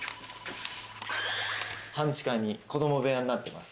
半地下に子ども部屋になってます。